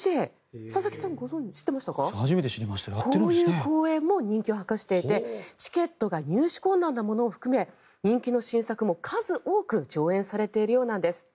こういう公演も人気を博していてチケットが入手困難なものも含め人気の新作も数多く上演されているようなんです。